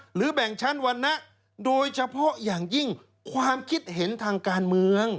หรือแบ่งชั้นวันนะโดยเฉพาะอย่างยิ่งความคิดเห็นทางการเมือง